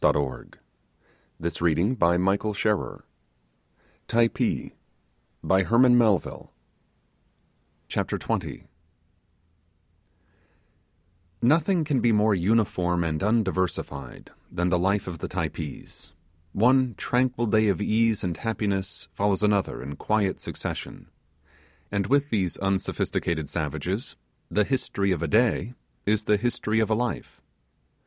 CHAPTER TWENTY HISTORY OF A DAY AS USUALLY SPENT IN TYPEE VALLEY DANCES OF THE MARQUESAN GIRLS Nothing can be more uniform and undiversified than the life of the Typees; one tranquil day of ease and happiness follows another in quiet succession; and with these unsophisicated savages the history of a day is the history of a life.